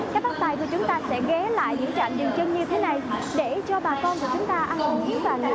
các bác tài của chúng ta sẽ ghé lại những trạm dường chân như thế này để cho bà con của chúng ta ăn uống và ngủ chơi